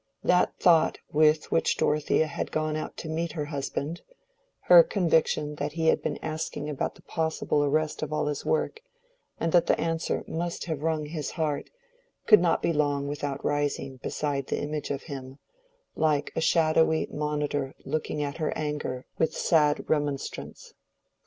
That thought with which Dorothea had gone out to meet her husband—her conviction that he had been asking about the possible arrest of all his work, and that the answer must have wrung his heart, could not be long without rising beside the image of him, like a shadowy monitor looking at her anger with sad remonstrance.